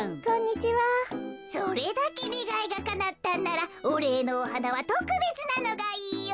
それだけねがいがかなったんならおれいのおはなはとくべつなのがいいよ。